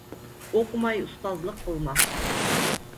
ئوقۇماي ئۇستازلىق قىلما.